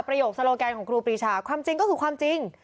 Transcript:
โยคโลแกนของครูปรีชาความจริงก็คือความจริง